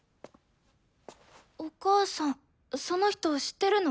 お母さんその人知ってるの？